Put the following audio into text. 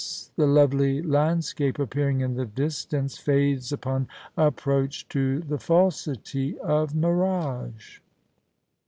the lovely landscape, appearing in the distance, fades upon approach to the falsity of mirage.